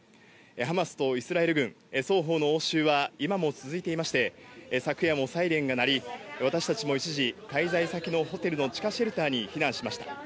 ハマスとイスラエル軍、双方の応酬は今も続いていまして、昨夜もサイレンが鳴り、私たちも一時、滞在先のホテルの地下シェルターに避難しました。